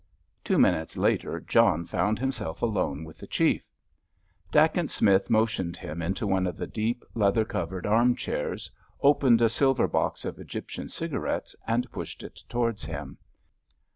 Two minutes later John found himself alone with the chief. Dacent Smith motioned him into one of the deep, leathered covered arm chairs, opened a silver box of Egyptian cigarettes, and pushed it towards him.